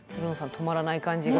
止まらない感じで。